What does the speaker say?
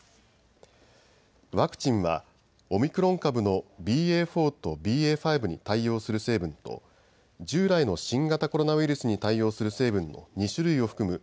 ワクチンはオミクロン株のＢＡ．４とＢＡ．５に対応する成分と従来の新型コロナウイルスに対応する成分の２種類を含む